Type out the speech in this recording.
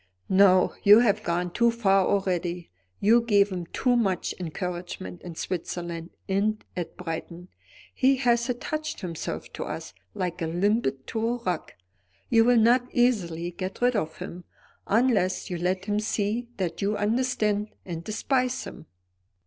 "No, you have gone too far already. You gave him too much encouragement in Switzerland, and at Brighton. He has attached himself to us, like a limpet to a rock. You will not easily get rid of him; unless you let him see that you understand and despise him."